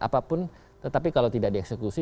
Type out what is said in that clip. apapun tetapi kalau tidak dieksekusi